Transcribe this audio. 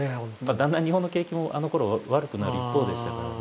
だんだん日本の景気もあのころ悪くなる一方でしたからね。